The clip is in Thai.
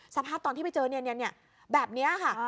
สัมภาษณ์ตอนที่ไปเจอแบบเนี้ยค่ะ